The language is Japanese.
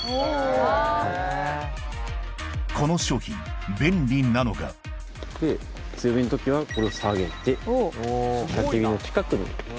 この商品便利なのが強火の時はこれを下げてたき火の近くに。